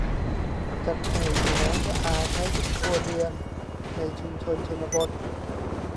จัดให้มีน้ำสะอาดใช้ทุกครัวเรือนในชุมชนชนบท